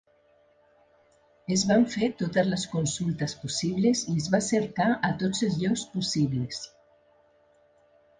Es van fer totes les consultes possibles i es va cercar a tots els llocs possibles.